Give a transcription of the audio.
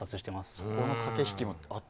そこの駆け引きも。